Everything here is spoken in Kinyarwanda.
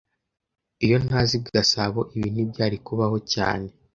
Iyo ntaza i Gasabo, ibi ntibyari kubaho cyane